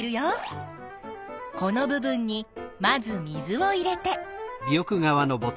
この部分にまず水を入れて。